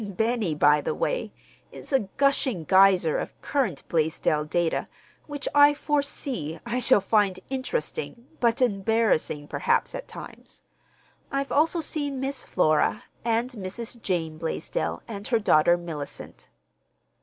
Benny, by the way, is a gushing geyser of current Blaisdell data which, I foresee, I shall find interesting, but embarrassing, perhaps, at times. I've also seen Miss Flora, and Mrs. Jane Blaisdell and her daughter, Mellicent.